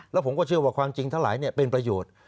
แล้วผมก็เชื่อว่าความจริงทั้งหลายเป็นประโยชน์